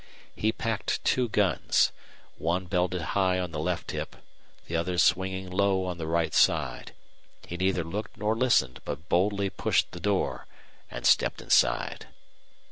He packed two guns, one belted high on the left hip, the other swinging low on the right side. He neither looked nor listened, but boldly pushed the door and stepped inside.